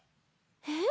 えっ？